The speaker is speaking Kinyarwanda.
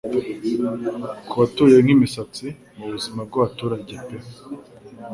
Kubatuye nkimisatsi mubuzima bwabaturage pe